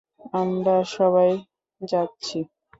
আমরা সবাই যাচ্ছি!